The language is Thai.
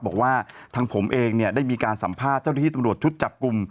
บอกว่าทางผมเองเนี่ยได้มีการสัมภาษณ์เจ้าหน้าที่ตำรวจชุดจับกลุ่ม